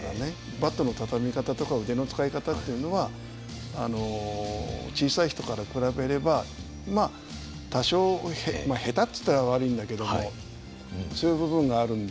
バットの畳み方とか腕の使い方っていうのは小さい人から比べれば多少下手って言ったら悪いんだけどもそういう部分があるんで。